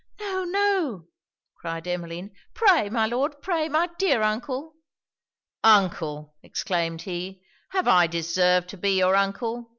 'No, no,' cried Emmeline. 'Pray, my Lord! pray, my dear uncle!' 'Uncle!' exclaimed he. 'Have I deserved to be your uncle?